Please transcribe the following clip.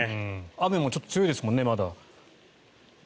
雨もまだちょっと強いですもんね。